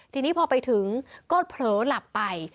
ทีนี้พอไปถึงก็เผลอหลับไป